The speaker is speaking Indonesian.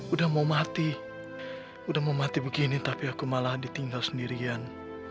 udah mau mati udah mau mati begini tapi aku malah ditinggal sendirian